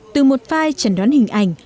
từ một file chẩn đoán hình ảnh